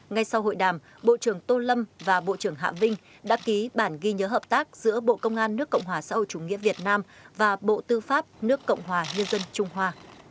ngay sau hội đàm bộ trưởng tô lâm và bộ trưởng hạ vinh đã ký bản ghi nhớ hợp tác giữa bộ công an nước cộng hòa xã hội chủ nghĩa việt nam và bộ tư pháp nước cộng hòa nhân dân trung hoa